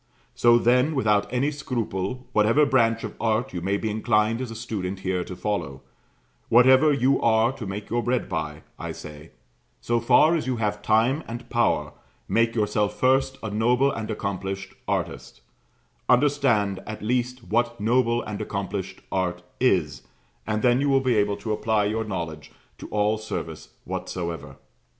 So, then, without any scruple, whatever branch of art you may be inclined as a student here to follow, whatever you are to make your bread by, I say, so far as you have time and power, make yourself first a noble and accomplished artist; understand at least what noble and accomplished art is, and then you will be able to apply your knowledge to all service whatsoever.